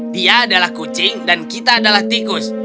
tia adalah kucing dan kita adalah tikus